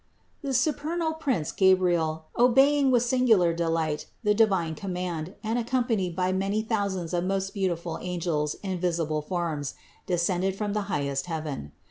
113. The supernal prince Gabriel, obeying with sin gular delight the divine command and accompanied by many thousands of most beautiful angels in visible forms, descended from the highest heaven.